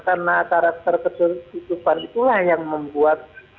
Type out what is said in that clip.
karena karakter ketutupan itulah yang membuat